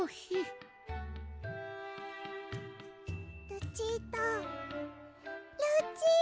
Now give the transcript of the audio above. ルチータルチータ。